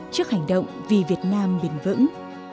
trước hành động vì việt nam bền vững